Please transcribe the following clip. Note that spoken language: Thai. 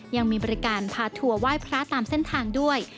ยังมีบริการพาทัวร์ไหว้พระตามเส้นทางด้วย